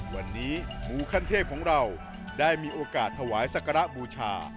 วันนี้หมูขั้นเทพของเราได้มีโอกาสถวายสักการะบูชา